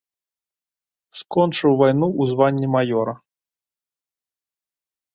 Скончыў вайну ў званні маёра.